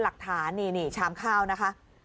หลักฐานนี่ชามข้าวนะคะ